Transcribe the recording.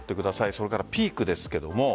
それからピークですけれども。